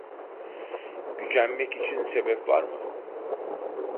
Gücenmek için sebep var mı?